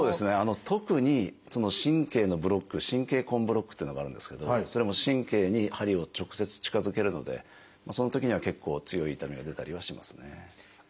特に神経のブロック「神経根ブロック」というのがあるんですけどそれは神経に針を直接近づけるのでそのときには結構強い痛みが出たりはしますね。